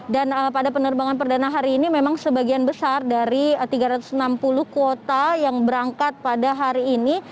dan pada penerbangan perdana hari ini memang sebagian besar dari tiga ratus enam puluh kuota yang berangkat pada hari ini